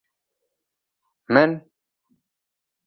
مَن ؟